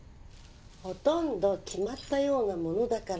ほとんど決まったようなものだから。